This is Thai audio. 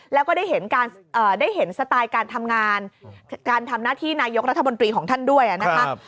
แล้วก็ได้เห็นสไตล์การทำงานการทำหน้าที่นายกรัฐมนตรีของท่านด้วยนะครับ